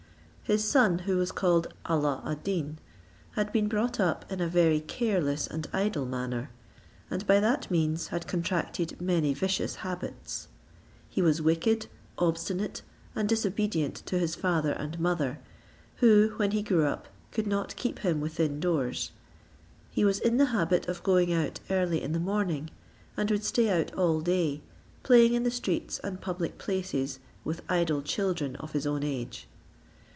His son, who was called Alla ad Deen, had been brought up in a very careless and idle manner, and by that means had contracted many vicious habits. He was wicked, obstinate, and disobedient to his father and mother, who, when he grew up, could not keep him within doors. He was in the habit of going out early in the morning, and would stay out all day, playing in the streets and public places with idle children of his own age.